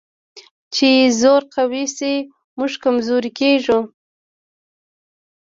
چې زور قوي شي، موږ کمزوري کېږو.